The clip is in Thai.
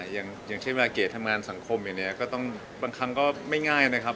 อย่างเช่นเวลาเกดทำงานสังคมอย่างนี้ก็ต้องบางครั้งก็ไม่ง่ายนะครับ